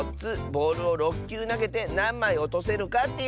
ボールを６きゅうなげてなんまいおとせるかっていうチャレンジだよ。